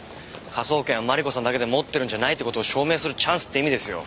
科捜研はマリコさんだけでもってるんじゃないって事を証明するチャンスって意味ですよ。